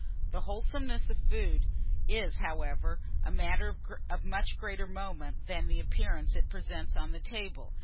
The wholesomeness of food is, however, a matter of much greater moment than the appearance it presents on the table.